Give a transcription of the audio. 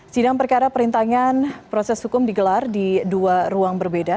sidang perkara perintangan proses hukum digelar di dua ruang berbeda